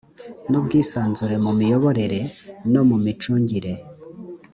n ubwisanzure mu miyoborere no mu micungire